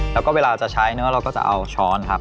แล้วก็เวลาจะใช้เนื้อเราก็จะเอาช้อนครับ